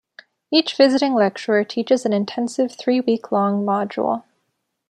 Each visiting lecturer teaches an intensive three-week-long module.